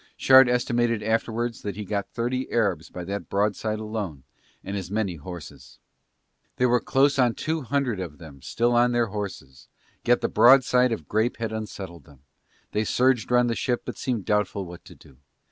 Shard estimated afterwards that he got thirty Arabs by that broadside alone and as many horses. There were close on two hundred of them still on their horses, yet the broadside of grape had unsettled them, they surged round the ship but seemed doubtful what to do.